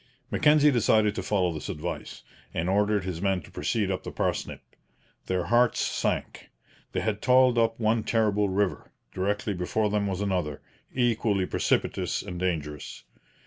Mackenzie decided to follow this advice, and ordered his men to proceed up the Parsnip. Their hearts sank. They had toiled up one terrible river; directly before them was another, equally precipitous and dangerous.